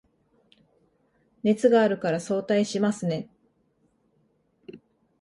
熱があるから早退しますね